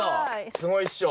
すごいっしょ。